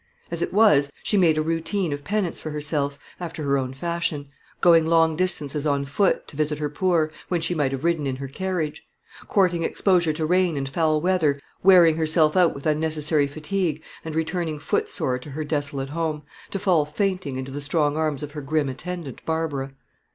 As it was, she made a routine of penance for herself, after her own fashion: going long distances on foot to visit her poor, when she might have ridden in her carriage; courting exposure to rain and foul weather; wearing herself out with unnecessary fatigue, and returning footsore to her desolate home, to fall fainting into the strong arms of her grim attendant, Barbara.